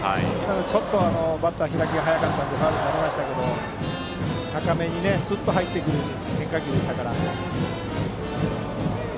ちょっとバットの開きが早かったのでファウルになりましたけども高めにスッと入ってくる変化球でしたから。